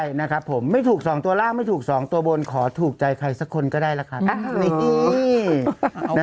อ๋อยี่สิบเขาบอกยี่สิบงวดเลยนะ